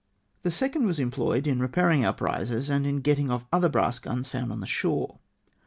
The 2nd was employed in repaying our prizes, and in getting off other brass guns found on shore.